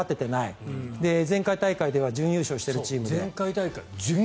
そう、前回大会は準優勝しているチーム。